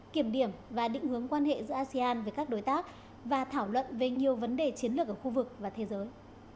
kiểm điểm và định hướng quan hệ giữa asean với các đối tác và thảo luận về nhiều vấn đề chiến lược ở khu vực và thế giới